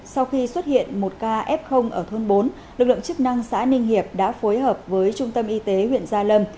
sau khi xuất hiện một ca f ở thôn bốn lực lượng chức năng xã ninh hiệp đã phối hợp với trung tâm y tế huyện gia lâm